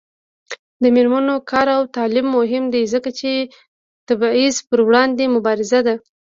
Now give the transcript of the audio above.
د میرمنو کار او تعلیم مهم دی ځکه چې تبعیض پر وړاندې مبارزه ده.